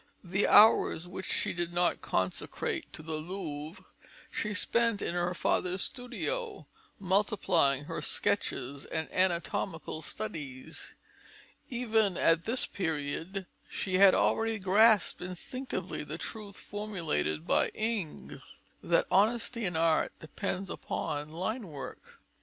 The hours which she did not consecrate to the Louvre, she spent in her father's studio, multiplying her sketches and anatomical studies. Even at this period she had already grasped instinctively the truth formulated by Ingres, that "honesty in art depends upon line work."